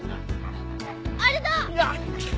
あれだ！